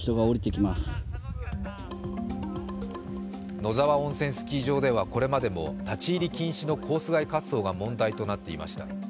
野沢温泉スキー場ではこれまでも立ち入り禁止のコース外滑走が問題となっていました。